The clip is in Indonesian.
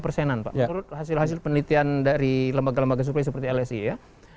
menurut hasil hasil penelitian dari lembaga lembaga suplai seperti lsi ya